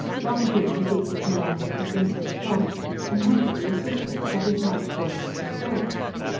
Long Jim was equal to none but the simplest jobs; and Hempel, the assistant, had his hands full with the store.